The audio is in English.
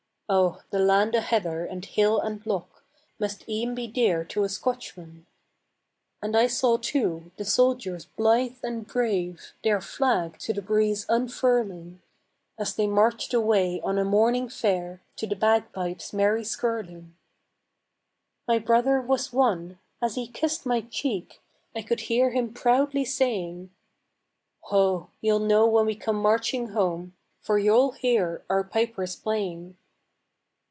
Oh, the land o' heather and hill and loch Must e'en be dear to a Scotchman. And I saw, too, the soldiers blithe and brave Their flag to the breeze unfurling, As they marched away on a morning fair To the bagpipes' merry skirling. My brother was one. As he kissed my cheek, I could hear him proudly saying: "Ho! you'll know when we come marching home, For you'll hear our pipers playing."